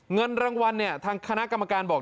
เงินรางวัลเนี่ยทางคณะกรรมการบอก